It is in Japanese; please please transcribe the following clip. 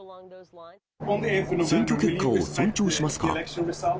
選挙結果を尊重しますか？